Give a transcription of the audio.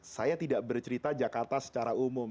saya tidak bercerita jakarta secara umum